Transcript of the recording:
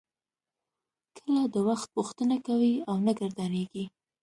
کله د وخت پوښتنه کوي او نه ګردانیږي.